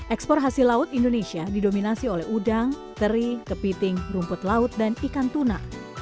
ekspor hasil laut indonesia didominasi oleh udang teri kepiting rumput laut dan ikan tuna